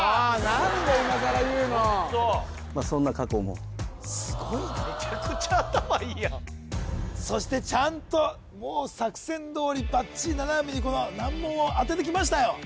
何で今さら言うのまあそんな過去もすごいなめちゃくちゃ頭いいやんそしてちゃんともう作戦通りバッチリ七海にこの難問をあててきましたよ